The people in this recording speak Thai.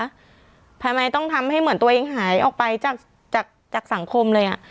ทำไมต้องทำให้เหมือนตัวเองหายออกไปจากจากสังคมเลยอ่ะ